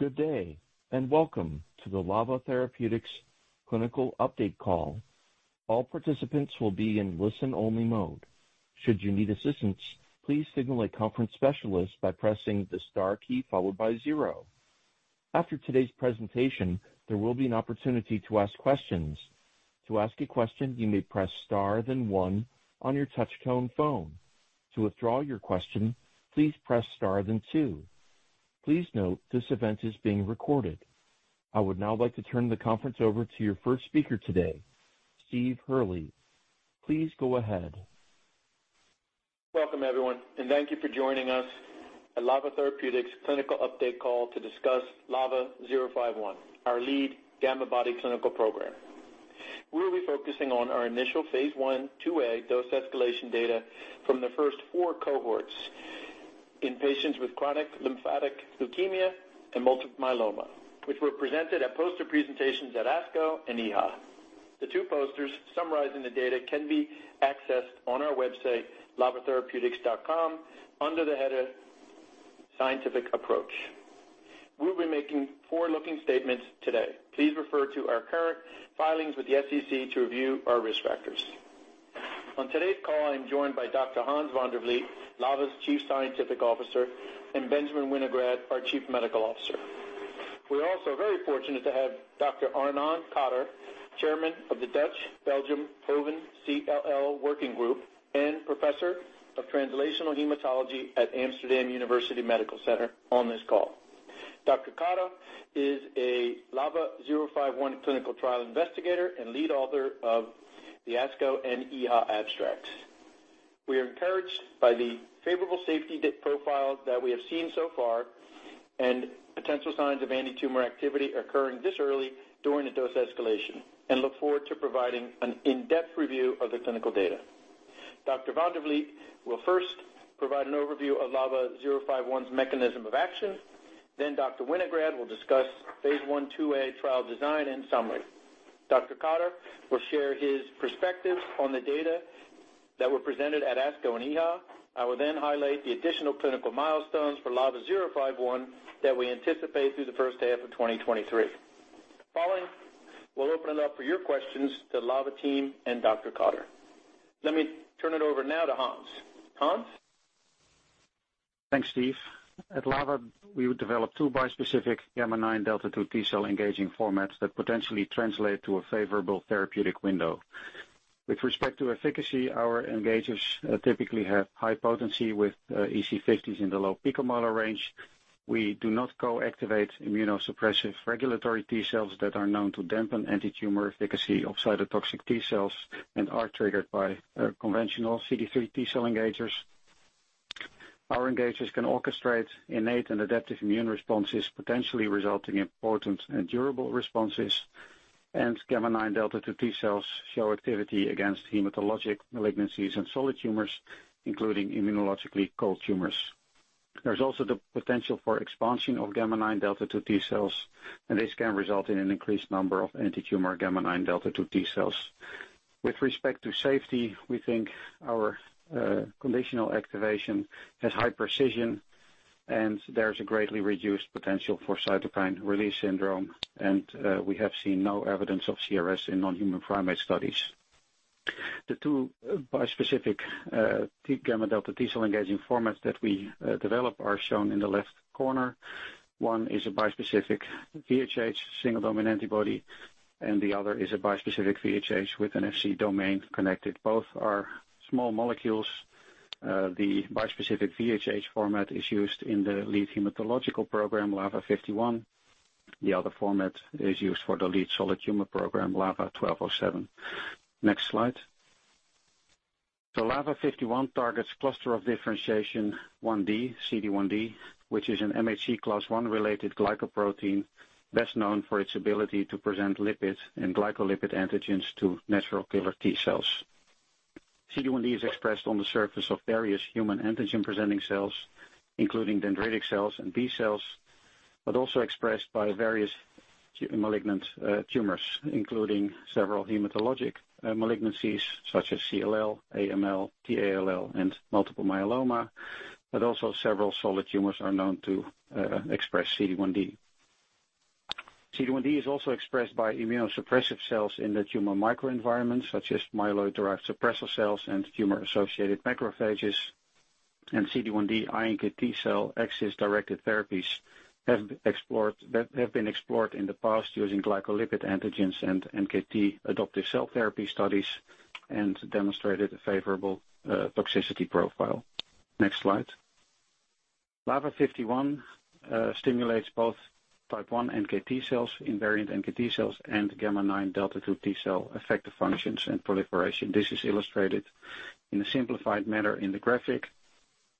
Good day, and welcome to the LAVA Therapeutics Clinical Update call. All participants will be in listen-only mode. Should you need assistance, please signal a conference specialist by pressing the star key followed by zero. After today's presentation, there will be an opportunity to ask questions. To ask a question, you may press star then one on your touchtone phone. To withdraw your question, please press star then two. Please note this event is being recorded. I would now like to turn the conference over to your first speaker today, Steve Hurly. Please go ahead. Welcome, everyone, and thank you for joining us at LAVA Therapeutics Clinical Update Call to discuss LAVA-051, our lead Gammabody clinical program. We will be focusing on our initial phase 1/2a dose escalation data from the first 4 cohorts in patients with chronic lymphocytic leukemia and multiple myeloma, which were presented at poster presentations at ASCO and EHA. The two posters summarizing the data can be accessed on our website, lavatherapeutics.com, under the header Scientific Approach. We'll be making forward-looking statements today. Please refer to our current filings with the SEC to review our risk factors. On today's call, I am joined by Dr. Hans van der Vliet, LAVA's Chief Scientific Officer, and Benjamin Winograd, our Chief Medical Officer. We're also very fortunate to have Dr. Arnon Kater, Chairman of the Dutch-Belgian HOVON CLL Working Group, and Professor of Translational Hematology at Amsterdam University Medical Center on this call. Dr. Kater is a LAVA-051 clinical trial investigator and lead author of the ASCO and EHA abstracts. We are encouraged by the favorable safety profile that we have seen so far and potential signs of anti-tumor activity occurring this early during the dose escalation and look forward to providing an in-depth review of the clinical data. Dr. van der Vliet will first provide an overview of LAVA-051's mechanism of action. Then Dr. Winograd will discuss phase 1/2a trial design and summary. Dr. Kater will share his perspective on the data that were presented at ASCO and EHA. I will then highlight the additional clinical milestones for LAVA-051 that we anticipate through the first half of 2023. Following, we'll open it up for your questions to LAVA team and Dr. Kater. Let me turn it over now to Hans. Hans? Thanks, Steve. At LAVA, we would develop two bispecific gamma9 delta2-T cell engaging formats that potentially translate to a favorable therapeutic window. With respect to efficacy, our engagers typically have high potency with EC50s in the low picomolar range. We do not co-activate immunosuppressive regulatory T cells that are known to dampen antitumor efficacy of cytotoxic T cells and are triggered by conventional CD3 T cell engagers. Our engagers can orchestrate innate and adaptive immune responses, potentially resulting in potent and durable responses. Gamma9 delta2-T cells show activity against hematologic malignancies and solid tumors, including immunologically cold tumors. There's also the potential for expansion of gamma9 delta2-T cells, and this can result in an increased number of antitumor gamma9 delta2-T cells. With respect to safety, we think our conditional activation has high precision, and there's a greatly reduced potential for cytokine release syndrome, and we have seen no evidence of CRS in non-human primate studies. The two bispecific T gamma delta T cell engaging formats that we develop are shown in the left corner. One is a bispecific VHH single domain antibody, and the other is a bispecific VHH with an Fc domain connected. Both are small molecules. The bispecific VHH format is used in the lead hematological program, LAVA-051. The other format is used for the lead solid tumor program, LAVA-1207. Next slide. LAVA-051 targets cluster of differentiation 1d, CD1d, which is an MHC class I related glycoprotein best known for its ability to present lipids and glycolipid antigens to natural killer T cells. CD1d is expressed on the surface of various human antigen-presenting cells, including dendritic cells and B cells, but also expressed by various malignant tumors, including several hematologic malignancies such as CLL, AML, T-ALL, and multiple myeloma. Several solid tumors are known to express CD1d. CD1d is also expressed by immunosuppressive cells in the tumor microenvironment, such as myeloid-derived suppressor cells and tumor-associated macrophages. CD1d iNKT cell axis-directed therapies that have been explored in the past using glycolipid antigens and NKT adoptive cell therapy studies demonstrated a favorable toxicity profile. Next slide. LAVA-051 stimulates both type 1 NKT cells, invariant NKT cells, and gamma9 delta2 T cell effector functions and proliferation. This is illustrated in a simplified manner in the graphic.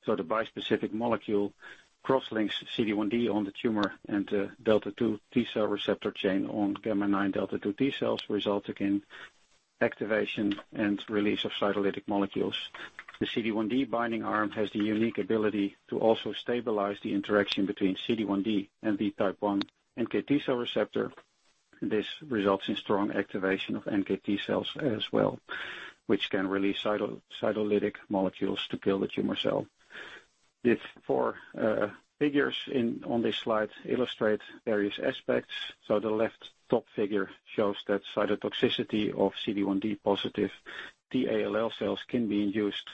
The bispecific molecule crosslinks CD1d on the tumor and the delta2 T cell receptor chain on gamma9 delta2 T cells, resulting in activation and release of cytolytic molecules. The CD1d binding arm has the unique ability to also stabilize the interaction between CD1d and the type 1 NKT cell receptor. This results in strong activation of NKT cells as well, which can release cytolytic molecules to kill the tumor cell. These four figures on this slide illustrate various aspects. The left top figure shows that cytotoxicity of CD1d-positive T-ALL cells can be induced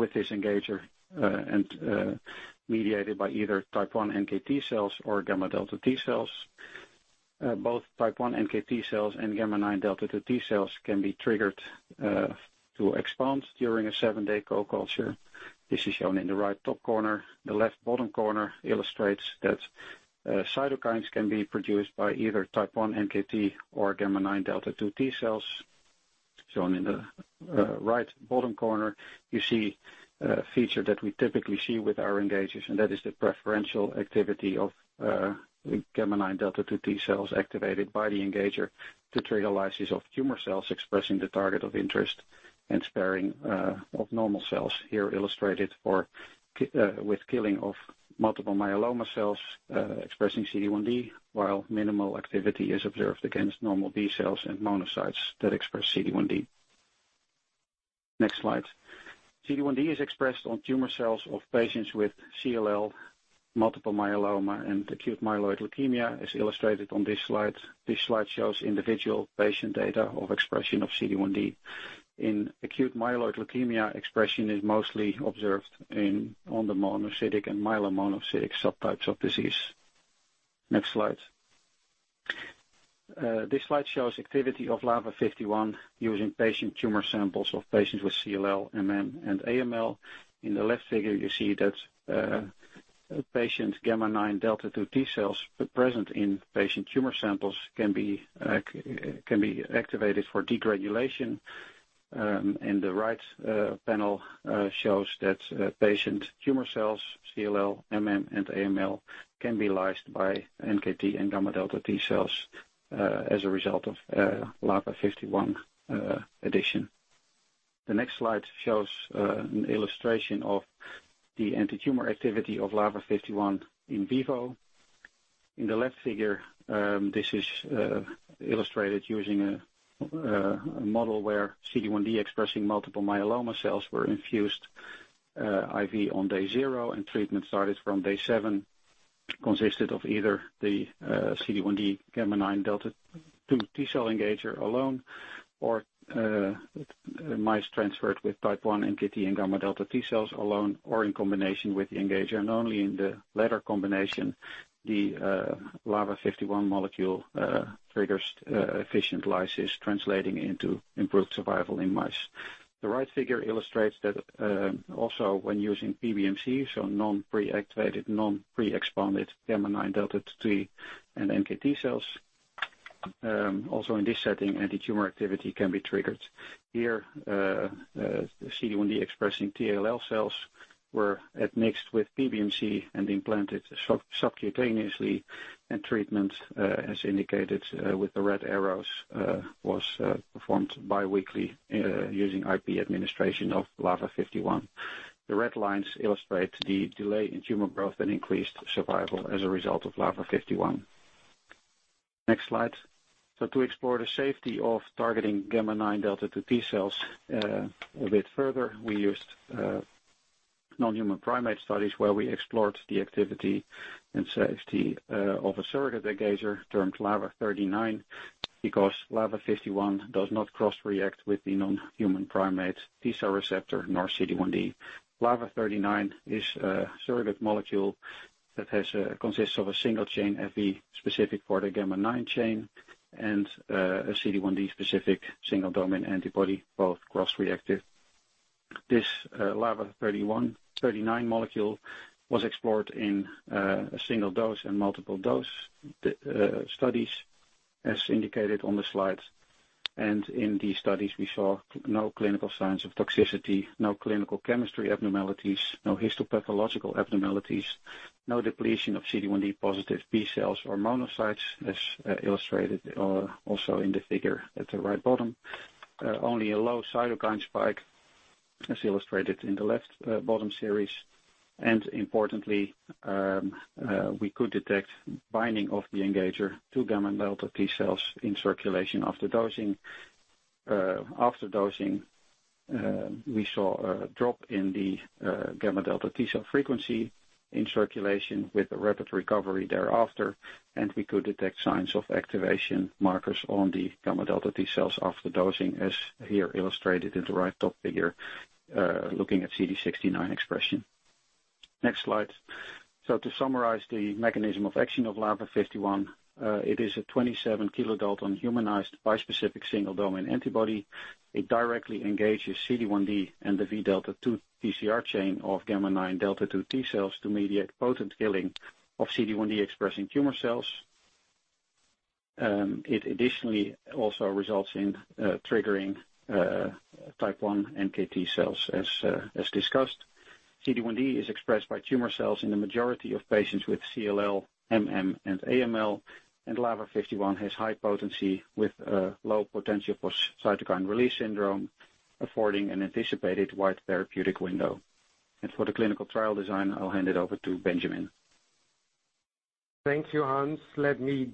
with this engager and mediated by either type 1 NKT cells or gamma delta T cells. Both type 1 NKT cells and gamma9 delta2 T cells can be triggered to expand during a seven-day co-culture. This is shown in the right top corner. The left bottom corner illustrates that cytokines can be produced by either type 1 NKT cells or gamma9 delta2 T cells. Shown in the right bottom corner, you see a feature that we typically see with our engagers, and that is the preferential activity of the gamma9 delta2 T cells activated by the engager to trigger lysis of tumor cells expressing the target of interest and sparing of normal cells. Here illustrated for CD1d with killing of multiple myeloma cells expressing CD1d, while minimal activity is observed against normal B cells and monocytes that express CD1d. Next slide. CD1d is expressed on tumor cells of patients with CLL, multiple myeloma, and acute myeloid leukemia, as illustrated on this slide. This slide shows individual patient data of expression of CD1d. In acute myeloid leukemia, expression is mostly observed in on the monocytic and myelomonocytic subtypes of disease. Next slide. This slide shows activity of LAVA-051 using patient tumor samples of patients with CLL, MM, and AML. In the left figure, you see that a patient's gamma nine delta two T cells present in patient tumor samples can be activated for degranulation. And the right panel shows that patient tumor cells, CLL, MM, and AML, can be lysed by NKT and gamma delta T cells as a result of LAVA-051 addition. The next slide shows an illustration of the antitumor activity of LAVA-051 in vivo. In the left figure, this is illustrated using a model where CD1d-expressing multiple myeloma cells were infused IV on day 0, and treatment started from day 7, consisted of either the CD1d gamma9 delta2-T cell engager alone or mice transferred with type 1 NKT and gamma delta T cells alone or in combination with the engager. Only in the latter combination, the LAVA-051 molecule triggers efficient lysis translating into improved survival in mice. The right figure illustrates that, also when using PBMC, so non-pre-activated, non-pre-expanded gamma9 delta2-T and NKT cells, also in this setting, antitumor activity can be triggered. Here, CD1d-expressing T-ALL cells were admixed with PBMC and implanted subcutaneously and treatment, as indicated with the red arrows, was performed biweekly using IP administration of LAVA-051. The red lines illustrate the delay in tumor growth and increased survival as a result of LAVA-051. Next slide. To explore the safety of targeting gamma9 delta2-T cells a bit further, we used non-human primate studies where we explored the activity and safety of a surrogate engager termed LAVA-039 because LAVA-051 does not cross-react with the non-human primate T cell receptor nor CD1d. LAVA-039 is a surrogate molecule that consists of a single chain Fv specific for the Vgamma9 chain and a CD1d-specific single domain antibody, both cross-reactive. This LAVA-039 molecule was explored in a single dose and multiple dose studies as indicated on the slide. In these studies, we saw no clinical signs of toxicity, no clinical chemistry abnormalities, no histopathological abnormalities, no depletion of CD1d positive B cells or monocytes as illustrated also in the figure at the right bottom. Only a low cytokine spike as illustrated in the left bottom series. Importantly, we could detect binding of the engager to gamma delta T cells in circulation after dosing. After dosing, we saw a drop in the gamma delta T cell frequency in circulation with a rapid recovery thereafter, and we could detect signs of activation markers on the gamma delta T cells after dosing, as here illustrated in the right top figure looking at CD69 expression. Next slide. To summarize the mechanism of action of LAVA-051, it is a 27 kilodalton humanized bispecific single domain antibody. It directly engages CD1d and the Vdelta2 TCR chain of gamma9 delta2-T cells to mediate potent killing of CD1d expressing tumor cells. It additionally also results in triggering type 1 NKT cells, as discussed. CD1d is expressed by tumor cells in the majority of patients with CLL, MM, and AML. LAVA-051 has high potency with low potential for cytokine release syndrome, affording an anticipated wide therapeutic window. For the clinical trial design, I'll hand it over to Benjamin. Thank you, Hans. Let me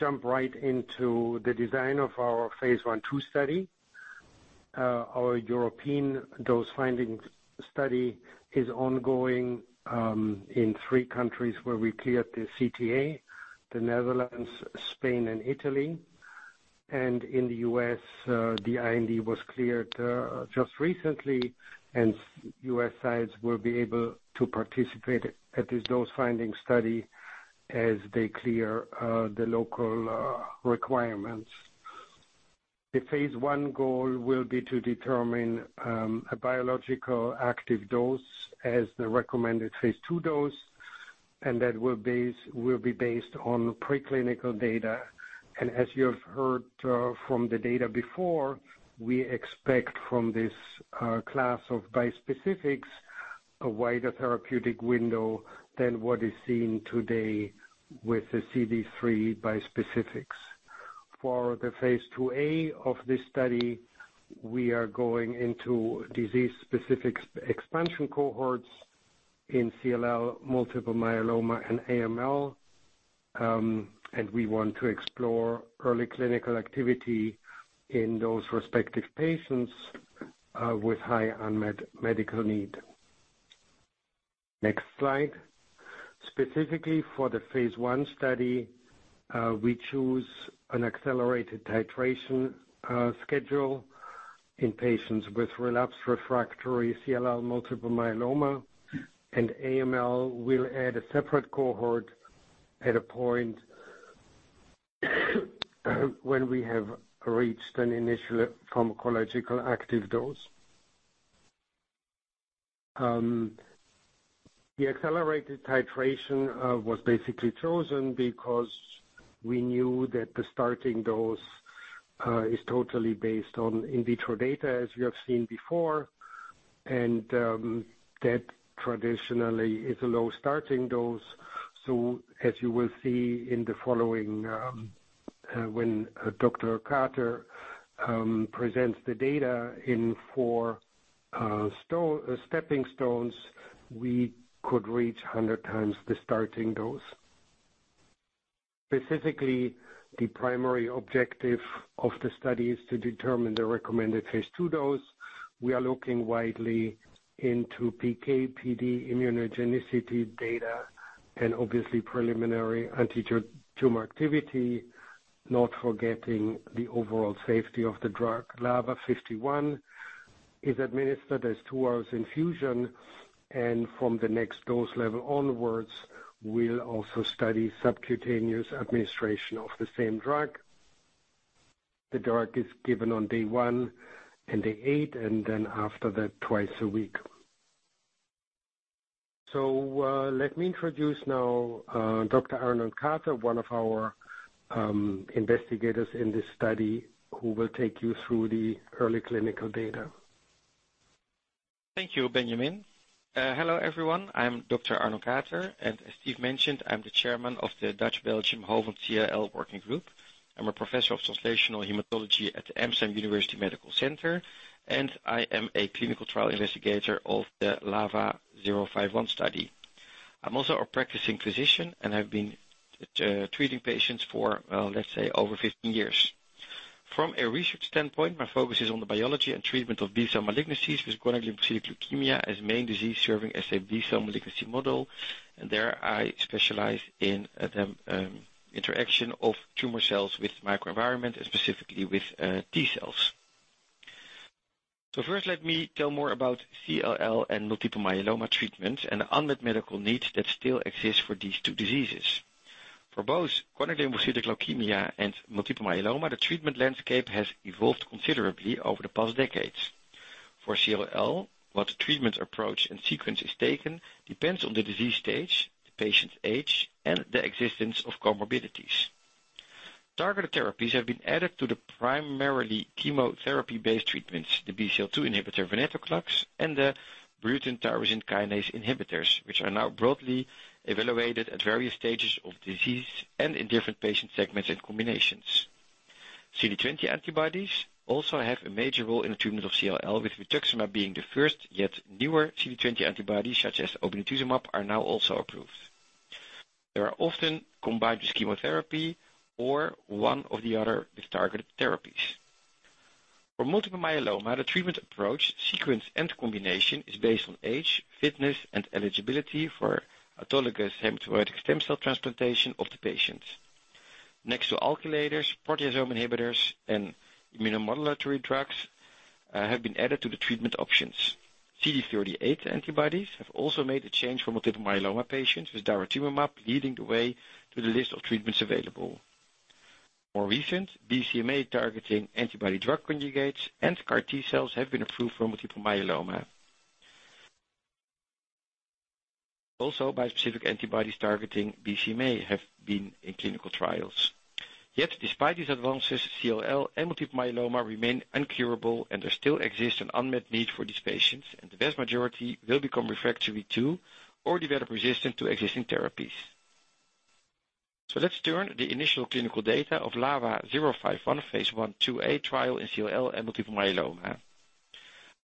jump right into the design of our phase 1 trial study. Our European dose-finding study is ongoing in three countries where we cleared the CTA, the Netherlands, Spain, and Italy. In the U.S., the IND was cleared just recently, and US sites will be able to participate at this dose-finding study as they clear the local requirements. The phase 1 goal will be to determine a biologically active dose as the recommended phase II dose, and that will be based on preclinical data. As you have heard from the data before, we expect from this class of bispecifics a wider therapeutic window than what is seen today with the CD3 bispecifics. For the phase 2A of this study, we are going into disease-specific expansion cohorts in CLL, multiple myeloma, and AML. We want to explore early clinical activity in those respective patients with high unmet medical need. Next slide. Specifically for the phase 1 study, we choose an accelerated titration schedule in patients with relapsed refractory CLL, multiple myeloma, and AML. We'll add a separate cohort at a point when we have reached an initial pharmacologically active dose. The accelerated titration was basically chosen because we knew that the starting dose is totally based on in vitro data, as you have seen before, and that traditionally is a low starting dose. As you will see in the following, when Dr. Kater presents the data in four stepping stones, we could reach 100 times the starting dose. Specifically, the primary objective of the study is to determine the recommended phase 2 dose. We are looking widely into PK/PD immunogenicity data and obviously preliminary anti-tumor activity, not forgetting the overall safety of the drug. LAVA-051 is administered as two hours infusion, and from the next dose level onwards, we'll also study subcutaneous administration of the same drug. The drug is given on day 1 and day 8, and then after that, twice a week. Let me introduce now, Dr. Arnon Kater, one of our investigators in this study, who will take you through the early clinical data. Thank you, Benjamin. Hello, everyone. I'm Dr. Arnon Kater, and as Steve mentioned, I'm the chairman of the Dutch-Belgian HOVON CLL Working Group. I'm a Professor of Translational Hematology at the Amsterdam University Medical Center, and I am a clinical trial investigator of the LAVA-051 study. I'm also a practicing physician, and I've been treating patients for, let's say, over 15 years. From a research standpoint, my focus is on the biology and treatment of B-cell malignancies, with chronic lymphocytic leukemia as main disease serving as a B-cell malignancy model. There, I specialize in the interaction of tumor cells with microenvironment and specifically with T cells. First, let me tell more about CLL and multiple myeloma treatments and unmet medical needs that still exist for these two diseases. For both chronic lymphocytic leukemia and multiple myeloma, the treatment landscape has evolved considerably over the past decades. For CLL, what treatment approach and sequence is taken depends on the disease stage, the patient's age, and the existence of comorbidities. Targeted therapies have been added to the primarily chemotherapy-based treatments, the BCL-2 inhibitor, venetoclax, and the Bruton tyrosine kinase inhibitors, which are now broadly evaluated at various stages of disease and in different patient segments and combinations. CD20 antibodies also have a major role in the treatment of CLL, with rituximab being the first, yet newer CD20 antibodies, such as obinutuzumab, are now also approved. They are often combined with chemotherapy or one of the other targeted therapies. For multiple myeloma, the treatment approach, sequence, and combination is based on age, fitness, and eligibility for autologous hematopoietic stem cell transplantation of the patients. Next to alkylators, proteasome inhibitors and immunomodulatory drugs have been added to the treatment options. CD38 antibodies have also made a change for multiple myeloma patients, with daratumumab leading the way to the list of treatments available. More recent BCMA-targeting antibody drug conjugates and CAR T cells have been approved for multiple myeloma. Also, bispecific antibodies targeting BCMA have been in clinical trials. Yet, despite these advances, CLL and multiple myeloma remain incurable, and there still exists an unmet need for these patients, and the vast majority will become refractory to or develop resistance to existing therapies. Let's turn to the initial clinical data of LAVA-051 phase 1/2A trial in CLL and multiple myeloma.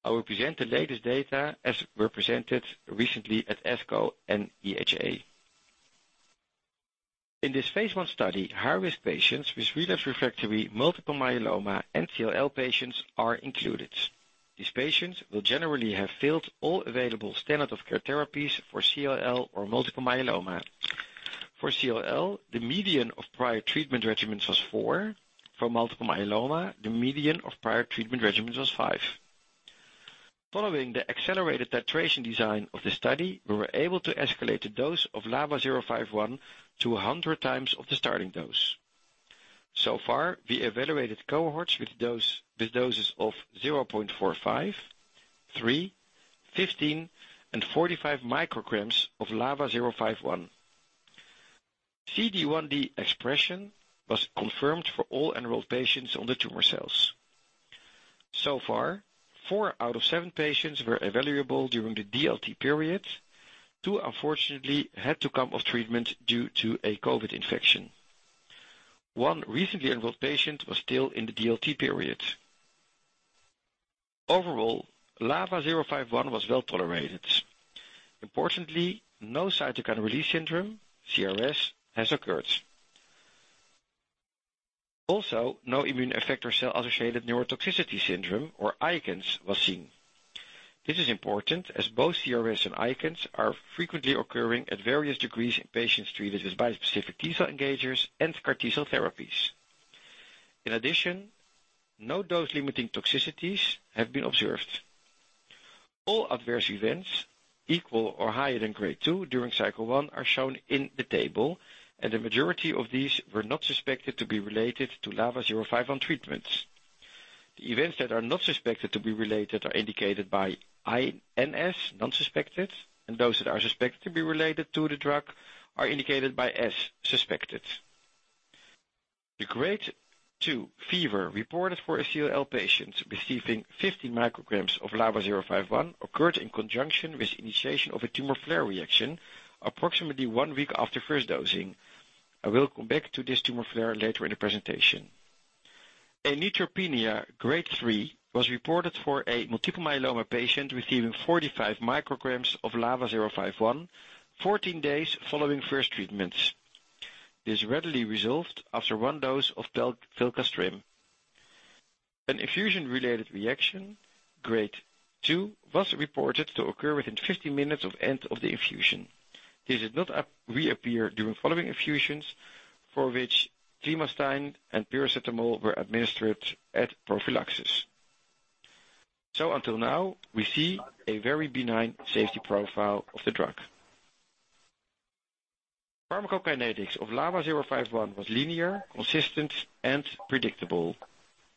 I will present the latest data as were presented recently at ASCO and EHA. In this phase 1 study, high-risk patients with relapse/refractory multiple myeloma and CLL patients are included. These patients will generally have failed all available standard of care therapies for CLL or multiple myeloma. For CLL, the median of prior treatment regimens was 4. For multiple myeloma, the median of prior treatment regimens was 5. Following the accelerated titration design of the study, we were able to escalate the dose of LAVA zero five one to 100 times of the starting dose. So far, we evaluated cohorts with doses of 0.45, 3, 15, and 45 µgs of LAVA zero five one. CD1d expression was confirmed for all enrolled patients on the tumor cells. So far, 4 out of 7 patients were evaluable during the DLT period. Two, unfortunately, had to come off treatment due to a COVID infection. 1 recently enrolled patient was still in the DLT period. Overall, LAVA zero five one was well-tolerated. Importantly, no cytokine release syndrome, CRS, has occurred. Also, no immune effector cell-associated neurotoxicity syndrome or ICANS was seen. This is important as both CRS and ICANS are frequently occurring at various degrees in patients treated with bispecific T cell engagers and CAR T cell therapies. In addition, no dose-limiting toxicities have been observed. All adverse events equal or higher than grade 2 during Cycle 1 are shown in the table, and the majority of these were not suspected to be related to LAVA-051 treatments. The events that are not suspected to be related are indicated by NS, not suspected, and those that are suspected to be related to the drug are indicated by S, suspected. The grade 2 fever reported for a CLL patient receiving 50 micrograms of LAVA-051 occurred in conjunction with initiation of a tumor flare reaction approximately 1 week after first dosing. I will come back to this tumor flare later in the presentation. A neutropenia grade 3 was reported for a multiple myeloma patient receiving 45 micrograms of LAVA-051 14 days following first treatments. This readily resolved after 1 dose of filgrastim. An infusion-related reaction, grade 2, was reported to occur within 15 minutes of end of the infusion. This did not reappear during following infusions, for which clemastine and paracetamol were administered at prophylaxis. Until now, we see a very benign safety profile of the drug. Pharmacokinetics of LAVA-051 was linear, consistent, and predictable.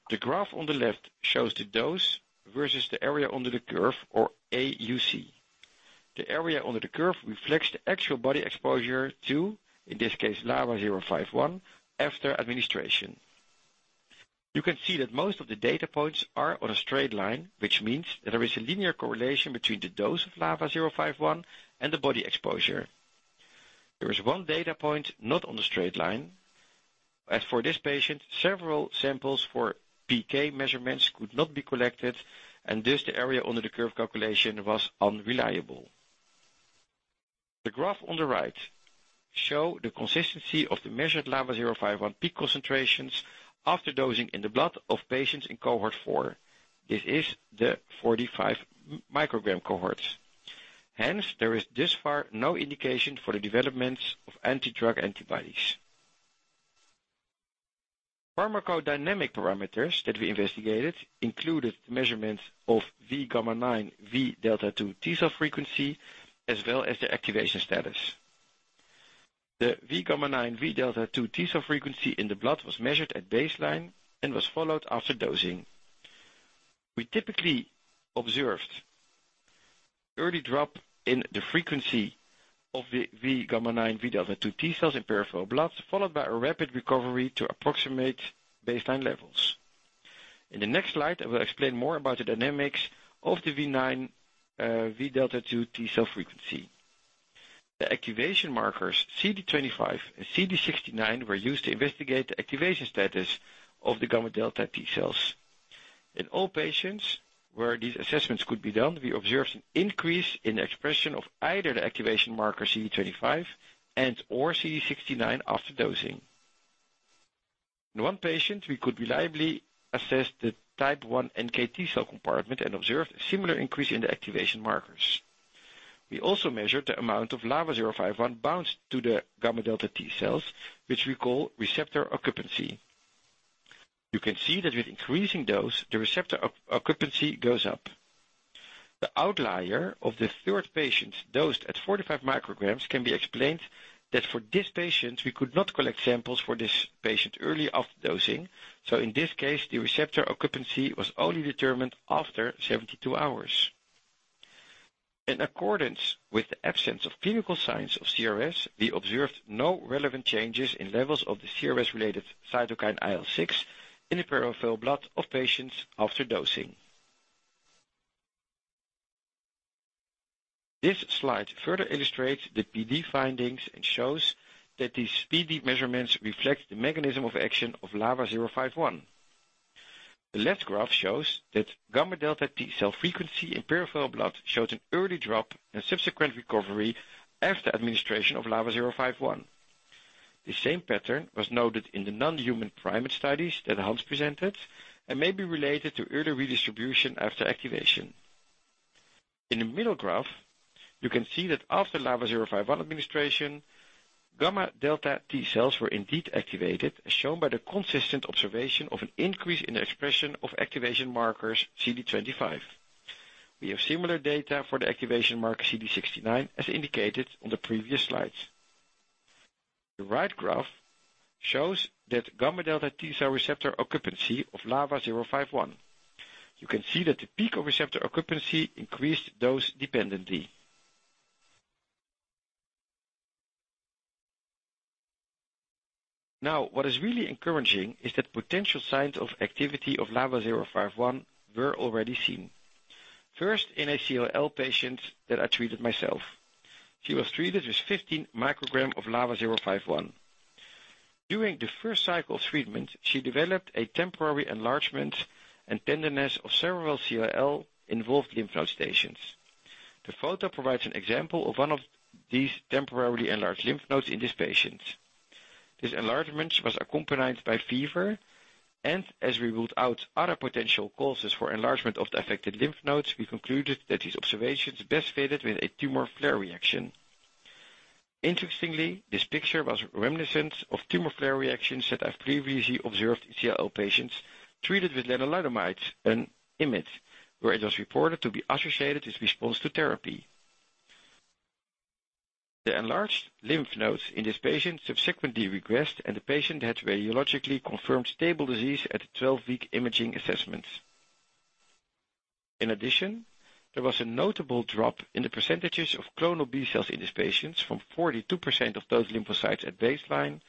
The graph on the left shows the dose versus the area under the curve or AUC. The area under the curve reflects the actual body exposure to, in this case, LAVA-051 after administration. You can see that most of the data points are on a straight line, which means that there is a linear correlation between the dose of LAVA-051 and the body exposure. There is one data point not on a straight line. As for this patient, several samples for PK measurements could not be collected, and thus the area under the curve calculation was unreliable. The graph on the right shows the consistency of the measured LAVA-051 peak concentrations after dosing in the blood of patients in cohort 4. This is the 45 microgram cohort. Hence, there is thus far no indication for the development of anti-drug antibodies. Pharmacodynamic parameters that we investigated included the measurement of Vgamma9 Vdelta2-T cell frequency, as well as the activation status. The Vgamma9 Vdelta2-T cell frequency in the blood was measured at baseline and was followed after dosing. We typically observed early drop in the frequency of the Vgamma9 Vdelta2-T cells in peripheral blood, followed by a rapid recovery to approximate baseline levels. In the next slide, I will explain more about the dynamics of the Vgamma9 Vdelta2-T cell frequency. The activation markers CD25 and CD69 were used to investigate the activation status of the gamma delta T cells. In all patients where these assessments could be done, we observed an increase in expression of either the activation marker CD25 and/or CD69 after dosing. In one patient, we could reliably assess the type 1 NKT cell compartment and observed a similar increase in the activation markers. We also measured the amount of LAVA-051 bound to the gamma delta T cells, which we call receptor occupancy. You can see that with increasing dose, the receptor occupancy goes up. The outlier of the third patient dosed at 45 micrograms can be explained that for this patient, we could not collect samples early after dosing. In this case, the receptor occupancy was only determined after 72 hours. In accordance with the absence of clinical signs of CRS, we observed no relevant changes in levels of the CRS-related cytokine IL-6 in the peripheral blood of patients after dosing. This slide further illustrates the PD findings and shows that these PD measurements reflect the mechanism of action of LAVA-051. The left graph shows that gamma delta T cell frequency in peripheral blood shows an early drop and subsequent recovery after administration of LAVA-051. The same pattern was noted in the non-human primate studies that Hans presented and may be related to early redistribution after activation. In the middle graph, you can see that after LAVA-051 administration, gamma delta T cells were indeed activated, as shown by the consistent observation of an increase in the expression of activation markers CD25. We have similar data for the activation marker CD69 as indicated on the previous slides. The right graph shows that gamma delta T cell receptor occupancy of LAVA-051. You can see that the peak of receptor occupancy increased dose dependently. Now, what is really encouraging is that potential signs of activity of LAVA-051 were already seen. First in a CLL patient that I treated myself. She was treated with 15 microgram of LAVA zero five one. During the first cycle of treatment, she developed a temporary enlargement and tenderness of several CLL involved lymph node stations. The photo provides an example of one of these temporarily enlarged lymph nodes in this patient. This enlargement was accompanied by fever, and as we ruled out other potential causes for enlargement of the affected lymph nodes, we concluded that these observations best fitted with a tumor flare reaction. Interestingly, this picture was reminiscent of tumor flare reactions that I've previously observed in CLL patients treated with lenalidomide and IMiDs, where it was reported to be associated with response to therapy. The enlarged lymph nodes in this patient subsequently regressed, and the patient had radiologically confirmed stable disease at the 12-week imaging assessment. In addition, there was a notable drop in the percentages of clonal B cells in these patients from 42% of those lymphocytes at baseline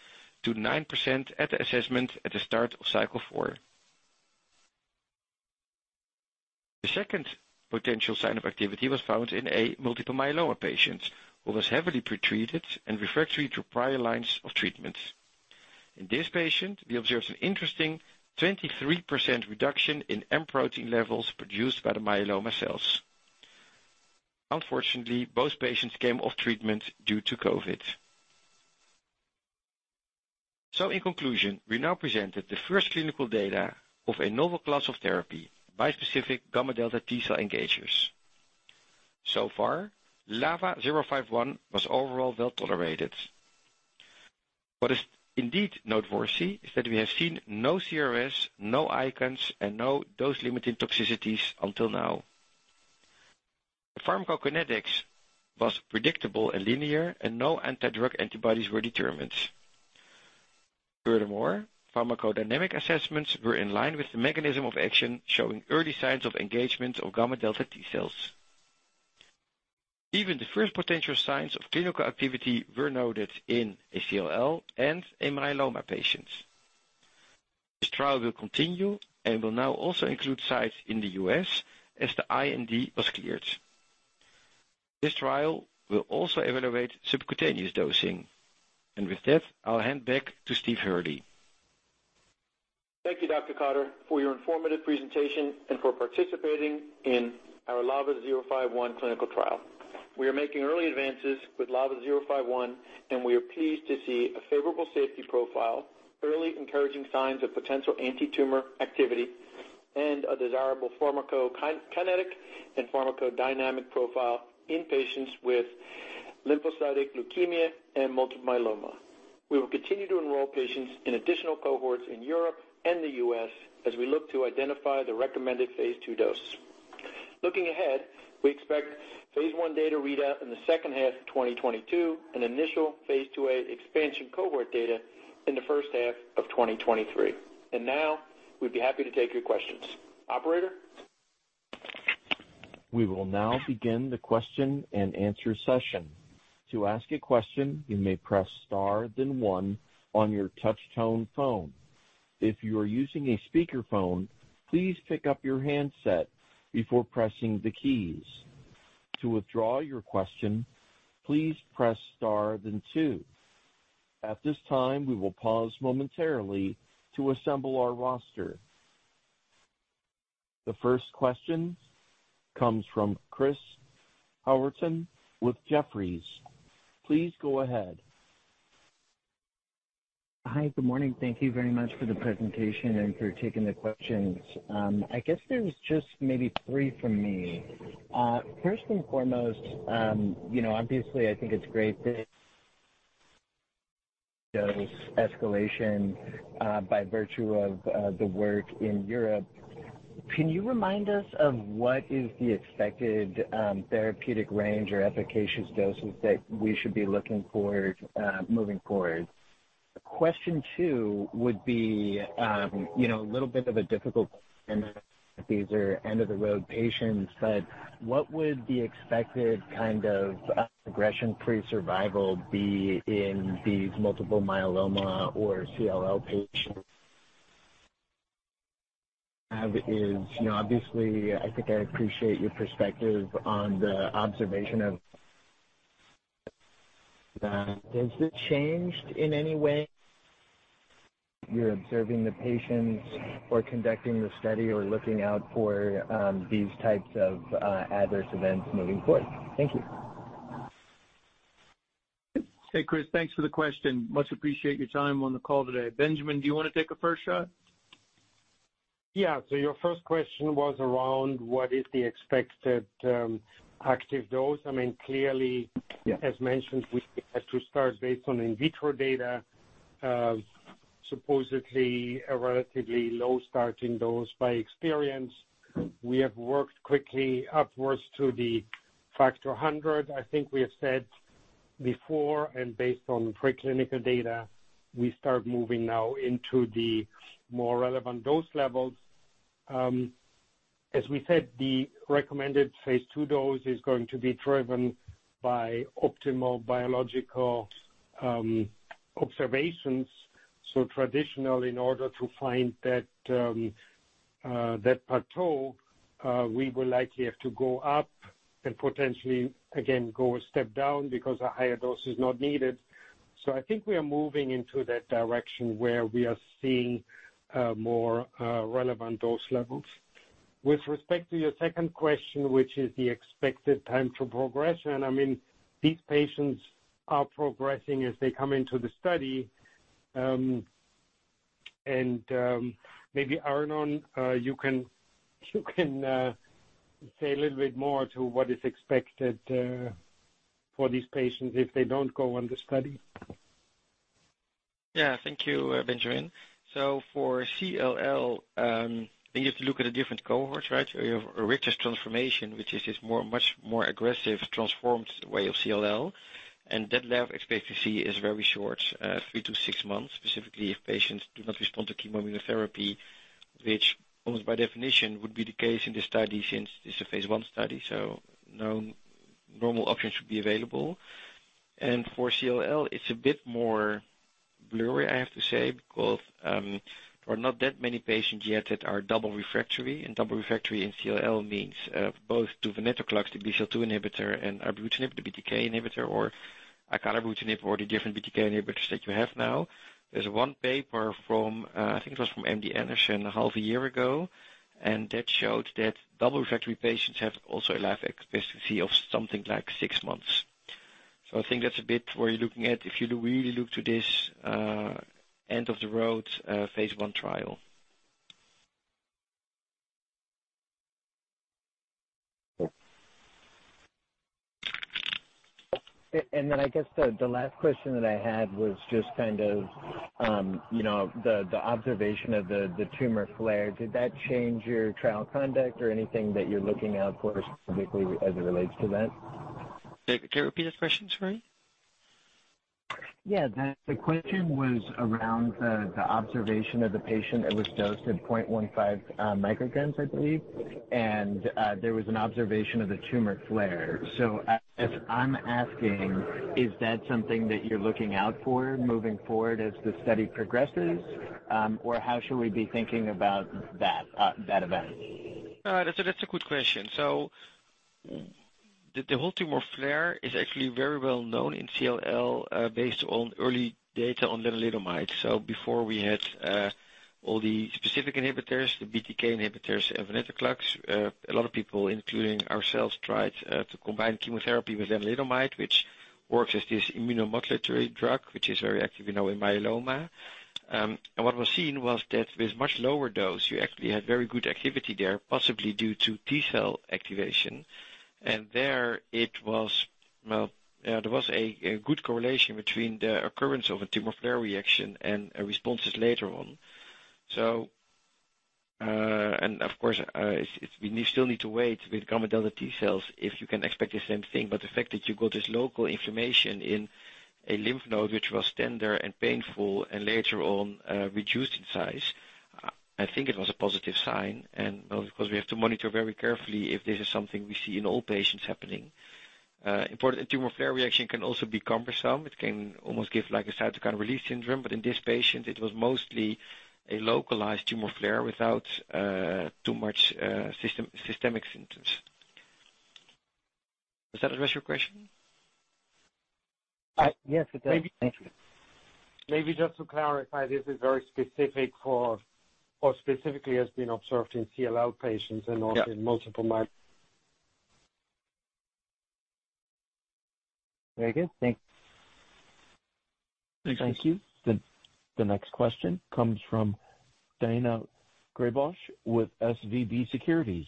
to 9% at the assessment at the start of Cycle 4. The second potential sign of activity was found in a multiple myeloma patient who was heavily pretreated and refractory to prior lines of treatment. In this patient, we observed an interesting 23% reduction in M protein levels produced by the myeloma cells. Unfortunately, both patients came off treatment due to COVID. In conclusion, we now presented the first clinical data of a novel class of therapy, bispecific gamma-delta T cell engagers. Far, LAVA-051 was overall well-tolerated. What is indeed noteworthy is that we have seen no CRS, no ICANS, and no dose-limiting toxicities until now. The pharmacokinetics was predictable and linear, and no anti-drug antibodies were determined. Furthermore, pharmacodynamic assessments were in line with the mechanism of action, showing early signs of engagement of gamma delta T cells. Even the first potential signs of clinical activity were noted in a CLL and a myeloma patient. This trial will continue and will now also include sites in the U.S. as the IND was cleared. This trial will also evaluate subcutaneous dosing. With that, I'll hand back to Steve Hurly. Thank you, Dr. Kater, for your informative presentation and for participating in our LAVA-051 clinical trial. We are making early advances with LAVA-051, and we are pleased to see a favorable safety profile, early encouraging signs of potential antitumor activity, and a desirable pharmacokinetic and pharmacodynamic profile in patients with lymphocytic leukemia and multiple myeloma. We will continue to enroll patients in additional cohorts in Europe and the U.S. as we look to identify the recommended phase 2 dose. Looking ahead, we expect phase 1 data readout in the second half of 2022 and initial phase 2a expansion cohort data in the first half of 2023. Now we'd be happy to take your questions. Operator? We will now begin the question-and-answer session. To ask a question, you may press star then one on your touch tone phone. If you are using a speakerphone, please pick up your handset before pressing the keys. To withdraw your question, please press star then two. At this time, we will pause momentarily to assemble our roster. The first question comes from Chris Howerton with Jefferies. Please go ahead. Hi. Good morning. Thank you very much for the presentation and for taking the questions. I guess there's just maybe three from me. First and foremost, you know, obviously, I think it's great that dose escalation by virtue of the work in Europe. Can you remind us of what is the expected therapeutic range or efficacious doses that we should be looking forward moving forward? Question two would be, you know, a little bit of a difficult these are end of the road patients, but what would the expected kind of progression-free survival be in these multiple myeloma or CLL patients? How is, you know, obviously, I think I appreciate your perspective on the observation of. Has it changed in any way you're observing the patients or conducting the study or looking out for these types of adverse events moving forward? Thank you. Hey, Chris. Thanks for the question. Much appreciate your time on the call today. Benjamin, do you wanna take a first shot? Yeah. Your first question was around what is the expected active dose. I mean, clearly. Yeah. As mentioned, we had to start based on in vitro data, supposedly a relatively low starting dose by experience. We have worked quickly upwards to the factor 100, I think we have said before, and based on preclinical data, we start moving now into the more relevant dose levels. As we said, the recommended Phase II dose is going to be driven by optimal biological observations. Traditionally, in order to find that plateau, we will likely have to go up and potentially, again, go a step down because a higher dose is not needed. I think we are moving into that direction where we are seeing more relevant dose levels. With respect to your second question, which is the expected time for progression. I mean, these patients are progressing as they come into the study. Maybe, Arnon, you can say a little bit more to what is expected for these patients if they don't go on the study. Yeah. Thank you, Benjamin. For CLL, then you have to look at the different cohorts, right? You have Richter's transformation, which is just much more aggressive, transformed way of CLL. That life expectancy is very short, 3-6 months, specifically if patients do not respond to chemoimmunotherapy, which almost by definition would be the case in this study since it's a phase 1 study, so no other options should be available. For CLL, it's a bit more blurry, I have to say, because there are not that many patients yet that are double refractory. Double refractory in CLL means both to venetoclax, the BCL-2 inhibitor, and ibrutinib, the BTK inhibitor, or acalabrutinib or the different BTK inhibitors that you have now. There's one paper from, I think it was from MD Anderson half a year ago, and that showed that double refractory patients have also a life expectancy of something like six months. I think that's a bit where you're looking at, if you do really look to this, end of the road, phase 1 trial. I guess the last question that I had was just kind of, you know, the observation of the tumor flare. Did that change your trial conduct or anything that you're looking out for specifically as it relates to that? Can you repeat the question, sorry? Yeah. The question was around the observation of the patient that was dosed at 0.15 micrograms, I believe. There was an observation of the tumor flare. I'm asking, is that something that you're looking out for moving forward as the study progresses? Or how should we be thinking about that event? That's a good question. The whole tumor flare is actually very well known in CLL, based on early data on lenalidomide. Before we had all the specific inhibitors, the BTK inhibitors and venetoclax, a lot of people, including ourselves, tried to combine chemotherapy with lenalidomide, which works as this immunomodulatory drug, which is very active, you know, in myeloma. What was seen was that with much lower dose, you actually had very good activity there, possibly due to T cell activation. There was a good correlation between the occurrence of a tumor flare reaction and responses later on. Of course, we still need to wait with gamma delta T cells if you can expect the same thing. The fact that you got this local inflammation in a lymph node which was tender and painful and later on, reduced in size, I think it was a positive sign. Of course, we have to monitor very carefully if this is something we see in all patients happening. Important, a tumor flare reaction can also be cumbersome. It can almost give like a cytokine release syndrome, but in this patient, it was mostly a localized tumor flare without too much systemic symptoms. Does that address your question? Yes, it does. Maybe- Thank you. Maybe just to clarify, this is very specific for, or specifically, has been observed in CLL patients and not. Yeah. in multiple myeloma Very good. Thank you. The next question comes from Daina Graybosch with SVB Securities.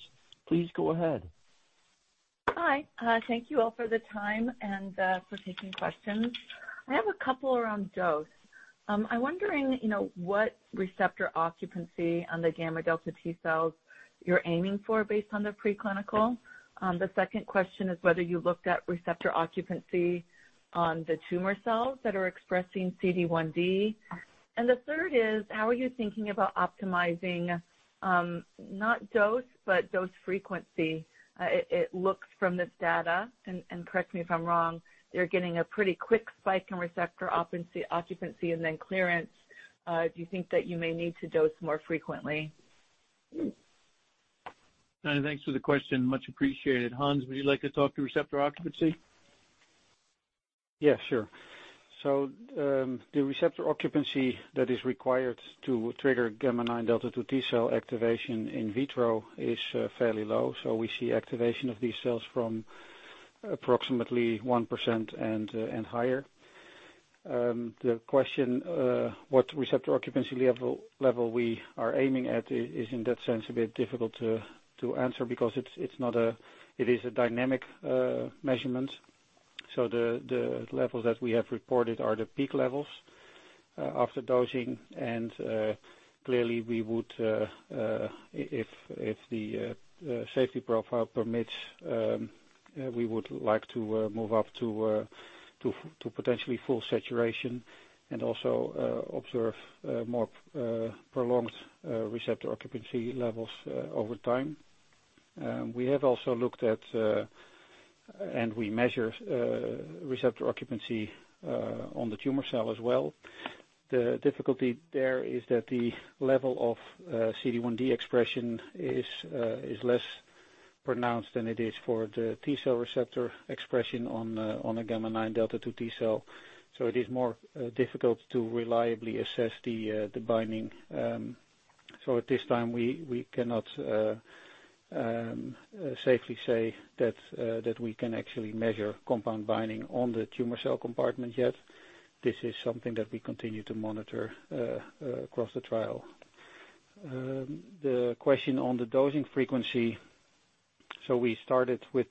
Please go ahead. Hi. Thank you all for the time and for taking questions. I have a couple around dose. I'm wondering, you know, what receptor occupancy on the gamma delta T cells you're aiming for based on the preclinical. The second question is whether you looked at receptor occupancy on the tumor cells that are expressing CD1d. The third is, how are you thinking about optimizing, not dose but dose frequency? It looks from this data, and correct me if I'm wrong, they're getting a pretty quick spike in receptor occupancy and then clearance. Do you think that you may need to dose more frequently? Thanks for the question, much appreciated. Hans, would you like to talk to receptor occupancy? Yeah, sure. The receptor occupancy that is required to trigger gamma-9 delta-2 T cell activation in vitro is fairly low. We see activation of these cells from approximately 1% and higher. The question what receptor occupancy level we are aiming at is in that sense a bit difficult to answer because it's not a. It is a dynamic measurement. The levels that we have reported are the peak levels after dosing. Clearly we would if the safety profile permits we would like to move up to to potentially full saturation and also observe more prolonged receptor occupancy levels over time. We have also looked at, and we measure, receptor occupancy on the tumor cell as well. The difficulty there is that the level of CD1d expression is less pronounced than it is for the T cell receptor expression on a gamma9 delta2 T cell. It is more difficult to reliably assess the binding. At this time, we cannot safely say that we can actually measure compound binding on the tumor cell compartment yet. This is something that we continue to monitor across the trial. The question on the dosing frequency. We started with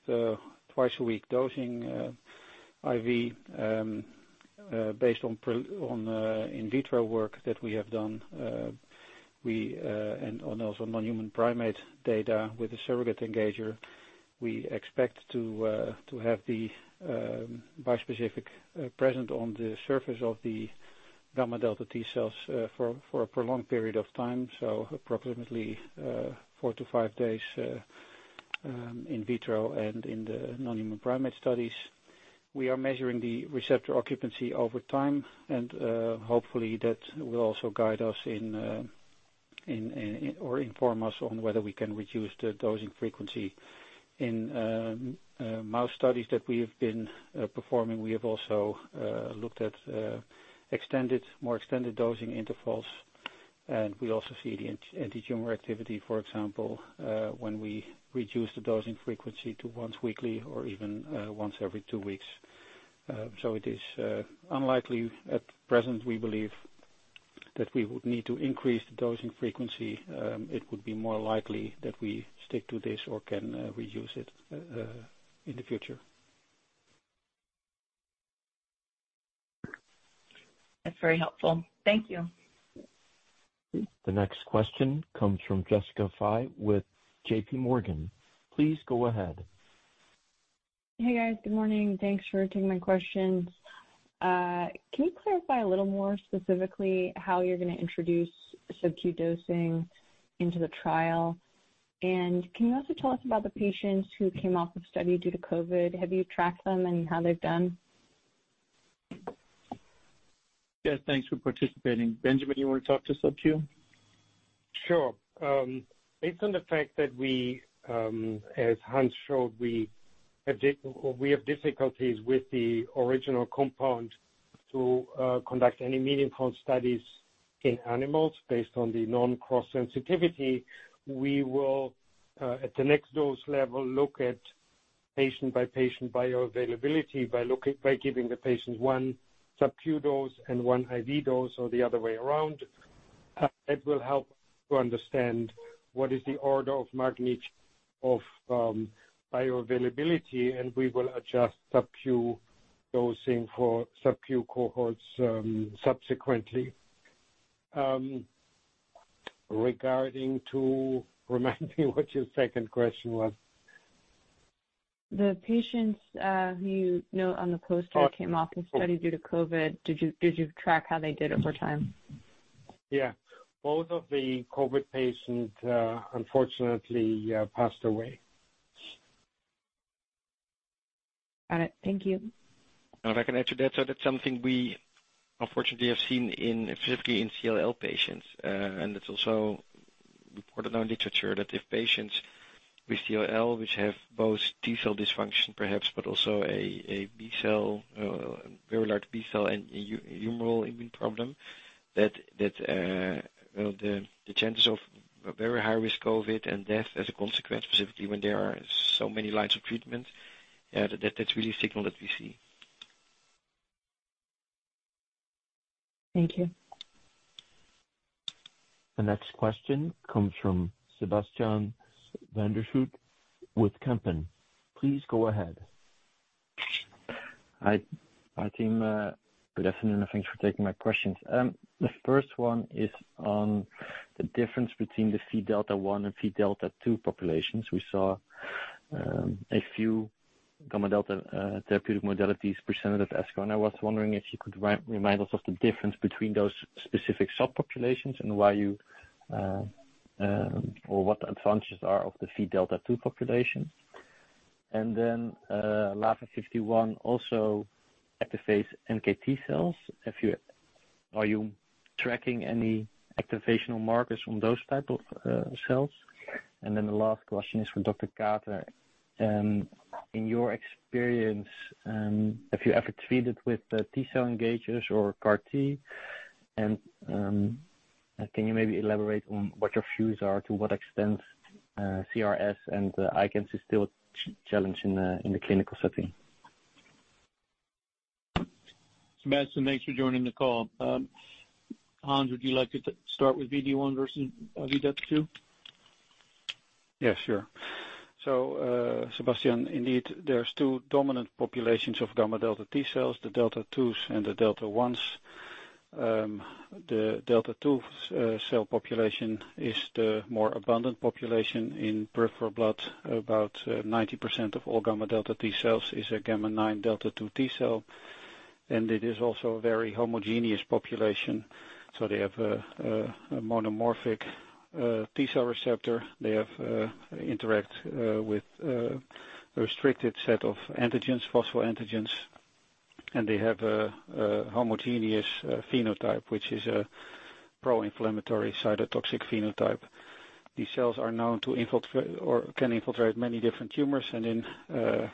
twice a week dosing, IV, based on in vitro work that we have done. We also have non-human primate data with a surrogate engager. We expect to have the bispecific present on the surface of the gamma delta T cells for a prolonged period of time, so approximately four to five days in vitro and in the non-human primate studies. We are measuring the receptor occupancy over time, and hopefully that will also guide us or inform us on whether we can reduce the dosing frequency. In mouse studies that we have been performing, we have also looked at more extended dosing intervals, and we also see antitumor activity, for example, when we reduce the dosing frequency to once weekly or even once every two weeks. It is unlikely at present, we believe, that we would need to increase the dosing frequency. It would be more likely that we stick to this or can reuse it in the future. That's very helpful. Thank you. The next question comes from Jessica Fye with JPMorgan. Please go ahead. Hey, guys. Good morning. Thanks for taking my questions. Can you clarify a little more specifically how you're gonna introduce subq dosing into the trial? And can you also tell us about the patients who came off of study due to COVID? Have you tracked them and how they've done? Yes, thanks for participating. Benjamin, you want to talk to subcu? Sure. Based on the fact that we, as Hans showed, we have difficulties with the original compound to conduct any medium count studies in animals based on the non-cross sensitivity, we will at the next dose level look at patient-by-patient bioavailability by giving the patient one subq dose and one IV dose or the other way around. It will help to understand what is the order of magnitude of bioavailability, and we will adjust subcu dosing for subcu cohorts subsequently. Regarding to remind me what your second question was. The patients, who you note on the poster came off the study due to COVID. Did you track how they did over time? Yeah. Both of the COVID patients, unfortunately, passed away. Got it. Thank you. If I can add to that's something we unfortunately have seen, specifically in CLL patients. It's also reported in literature that if patients with CLL, which have both T cell dysfunction perhaps, but also a very large B-cell and humoral immune problem, well, the chances of a very high risk COVID and death as a consequence, specifically when there are so many lines of treatment, that's really a signal that we see. Thank you. The next question comes from Sebastiaan van der Schoot with Kempen. Please go ahead. Hi, team. Good afternoon, and thanks for taking my questions. The first one is on the difference between the Vδ1 and Vδ2 populations. We saw a few gamma delta therapeutic modalities presented at ASCO, and I was wondering if you could remind us of the difference between those specific subpopulations and why you or what the advantages are of the Vδ2 population. LAVA-051 also activates NKT cells. Are you tracking any activational markers from those type of cells? The last question is for Dr. Kater. In your experience, have you ever treated with T cell engagers or CAR T? Can you maybe elaborate on what your views are to what extent CRS and ICANS is still challenge in the clinical setting? Sebastian, thanks for joining the call. Hans, would you like to start with Vdelta1 versus Vdelta2? Yeah, sure. Sebastiaan, indeed, there's two dominant populations of gamma delta T cells, the delta twos and the delta ones. The delta two cell population is the more abundant population in peripheral blood. About 90% of all gamma delta T cells is a gamma nine delta two T cell, and it is also a very homogeneous population. They have a monomorphic T cell receptor. They interact with a restricted set of antigens, phosphoantigens, and they have a homogeneous phenotype, which is a pro-inflammatory cytotoxic phenotype. These cells are known to or can infiltrate many different tumors, and in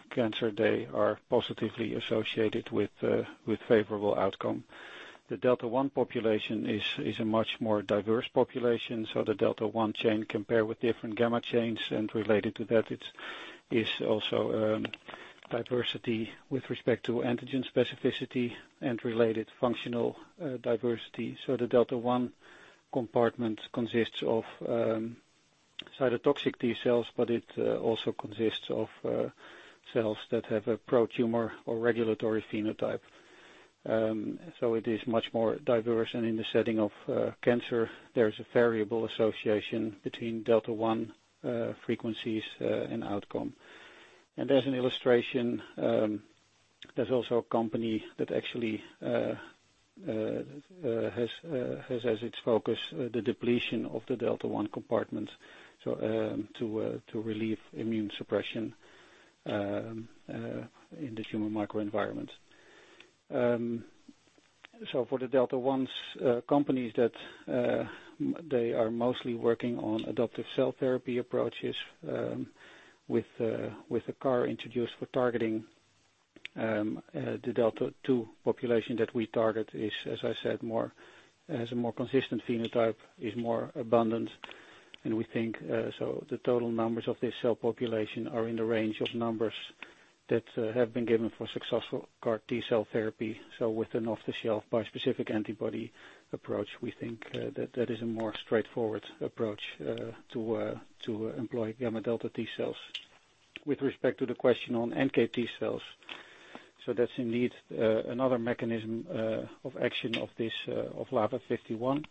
cancer, they are positively associated with favorable outcome. The delta one population is a much more diverse population, so the delta one chain can pair with different gamma chains. Related to that, it is also diversity with respect to antigen specificity and related functional diversity. The delta one compartment consists of cytotoxic T cells, but it also consists of cells that have a pro-tumor or regulatory phenotype. It is much more diverse. In the setting of cancer, there's a variable association between delta one frequencies and outcome. As an illustration, there's also a company that actually has as its focus the depletion of the delta one compartment, to relieve immune suppression in this tumor microenvironment. For the delta ones, companies that they are mostly working on adoptive cell therapy approaches with a CAR introduced for targeting, the delta two population that we target is, as I said, more, has a more consistent phenotype, is more abundant. We think the total numbers of this cell population are in the range of numbers that have been given for successful CAR T cell therapy. With an off-the-shelf bispecific antibody approach, we think that is a more straightforward approach to employ gamma delta T cells. With respect to the question on NKT cells, that's indeed another mechanism of action of LAVA-051.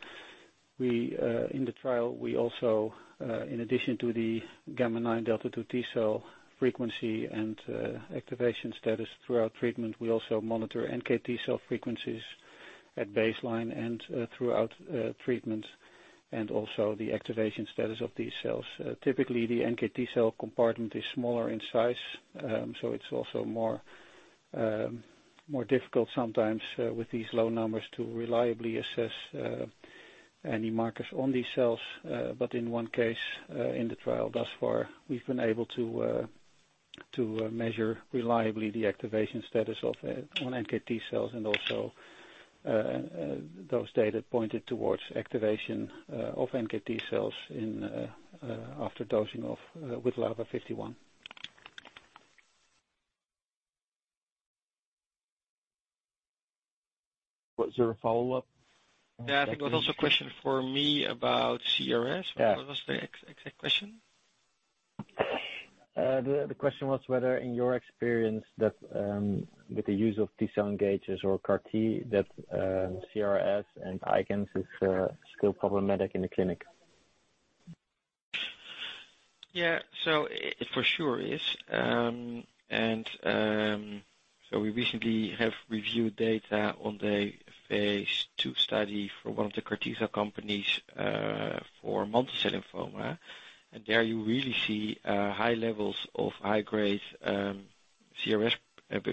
In the trial, in addition to the gamma9 delta2-T cell frequency and activation status throughout treatment, we also monitor NKT cell frequencies at baseline and throughout treatment, and also the activation status of these cells. Typically, the NKT cell compartment is smaller in size, so it's also more difficult sometimes with these low numbers to reliably assess any markers on these cells. But in one case in the trial thus far, we've been able to measure reliably the activation status on NKT cells and also those data pointed towards activation of NKT cells after dosing with LAVA-051. Was there a follow-up? Yeah, I think it was also a question for me about CRS. Yeah. What was the exact question? The question was whether in your experience that with the use of T cell engagers or CAR T, that CRS and ICANS is still problematic in the clinic. Yeah. It for sure is. We recently have reviewed data on the phase 2 study for one of the CAR-T companies for mantle cell lymphoma. There you really see high levels of high-grade CRS,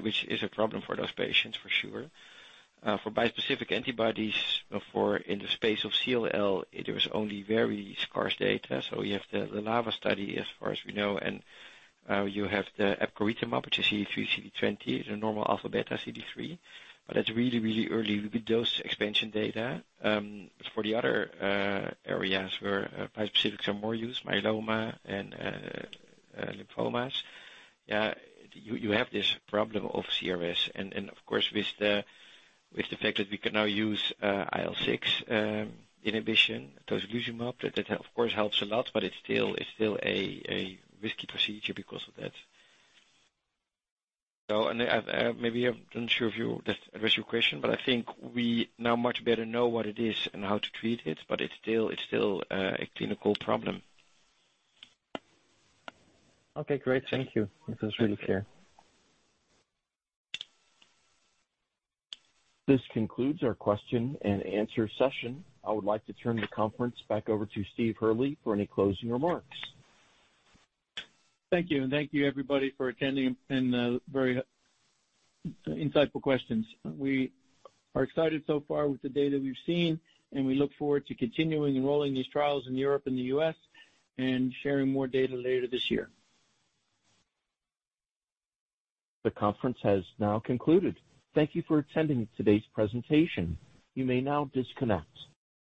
which is a problem for those patients for sure. For bispecific antibodies in the space of CLL, there is only very scarce data. You have the LAVA study as far as we know, and you have the epcoritamab, which is CD3, CD20, the normal alpha beta CD3. But that's really, really early with dose expansion data. For the other areas where bispecifics are more used, myeloma and lymphomas, yeah, you have this problem of CRS. Of course, with the fact that we can now use IL-6 inhibition, Tocilizumab, that of course helps a lot, but it's still a risky procedure because of that. Maybe I'm not sure if that answers your question, but I think we now much better know what it is and how to treat it, but it's still a clinical problem. Okay, great. Thank you. That was really clear. This concludes our question and answer session. I would like to turn the conference back over to Steve Hurly for any closing remarks. Thank you. Thank you, everybody, for attending and very insightful questions. We are excited so far with the data we've seen, and we look forward to continuing enrolling these trials in Europe and the U.S. and sharing more data later this year. The conference has now concluded. Thank you for attending today's presentation. You may now disconnect.